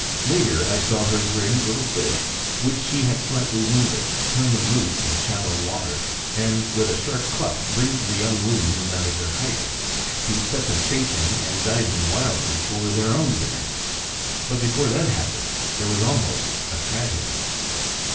Later I saw her bring little fish, which she had slightly wounded, turn them loose in shallow water, and with a sharp cluck bring the young loons out of their hiding, to set them chasing and diving wildly for their own dinners. But before that happened there was almost a tragedy.